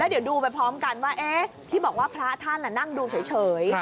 เดี๋ยวดูไปพร้อมกันว่าที่บอกว่าพระท่านนั่งดูเฉย